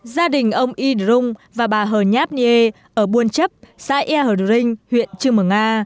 gia đình ông y drung và bà hờ nháp nghê ở buôn chấp xã e hờ đường huyện trưng mửa nga